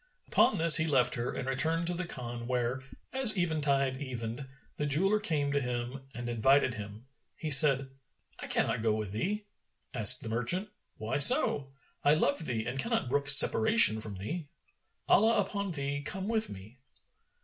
Upon this he left her and returned to the Khan where, as eventide evened, the jeweller came to him and invited him. He said, "I cannot go with thee." Asked the merchant, "Why so? I love thee and cannot brook separation from thee. Allah upon thee come with me!"